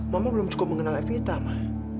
mama belum cukup mengenal evita mah